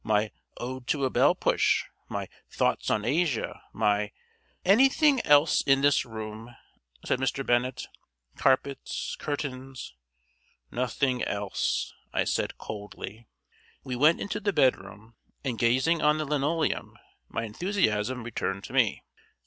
My 'Ode to a Bell push,' my 'Thoughts on Asia,' my " "Anything else in this room?" said Mr. Bennett. "Carpets, curtains " "Nothing else," I said coldly. We went into the bedroom and, gazing on the linoleum, my enthusiasm returned to me.